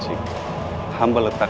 dia berani mengusir putraku